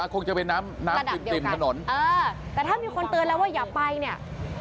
คงจะเป็นน้ำน้ำติดริมถนนเออแต่ถ้ามีคนเตือนแล้วว่าอย่าไปเนี่ย